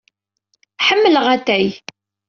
Ḥemmleɣ atay.